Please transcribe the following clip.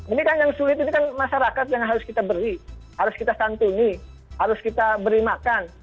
ini kan yang sulit ini kan masyarakat yang harus kita beri harus kita santuni harus kita beri makan